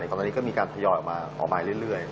ตอนนี้ก็มีการทยอยออกมาออกมาเรื่อย